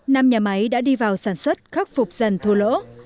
năm nhà máy đã đi vào sản xuất khắc phục dần thua lỗ